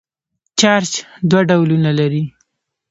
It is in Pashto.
چارج دوه ډولونه لري.